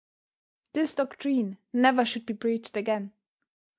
This doctrine never should be preached again.